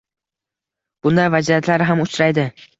bunday vaziyatlar ham uchraydi.